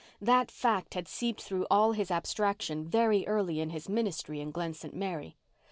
That fact had seeped through all his abstraction very early in his ministry in Glen St. Mary.